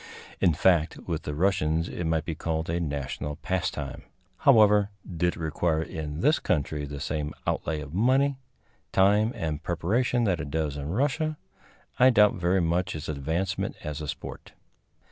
In fact, with the Russians it might be called a national pastime. However, did it require in this country the same outlay of money, time and preparation that it does in Russia, I doubt very much its advancement as a sport.